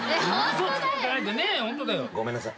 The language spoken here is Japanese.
ごめんなさい。